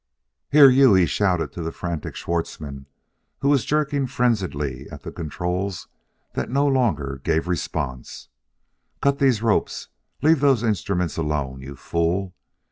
"Here, you!" he shouted to the frantic Schwartzmann who was jerking frenziedly at the controls that no longer gave response. "Cut these ropes! leave those instruments alone, you fool!"